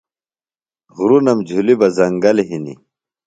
غُرنم جُھلیۡ بہ زنگل ہِنیۡ۔